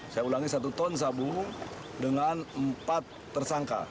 saya ulangi satu ton sabu dengan empat tersangka